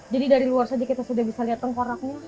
jadi dari luar saja kita sudah bisa lihat tengkoraknya